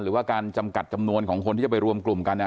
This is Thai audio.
หรือว่าการจำกัดจำนวนของคนที่จะไปรวมกลุ่มกัน